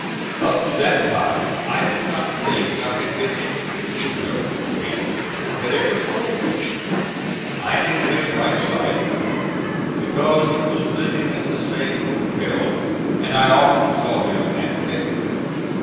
Up to that time I do not think I had been introduced to Governor Yates, or had ever spoken to him. I knew him by sight, however, because he was living at the same hotel and I often saw him at table.